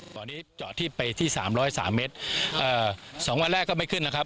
ตอนนี้เจาะที่ไปที่๓๐๓เมตร๒วันแรกก็ไม่ขึ้นนะครับ